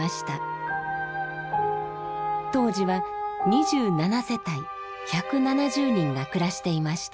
当時は２７世帯１７０人が暮らしていました。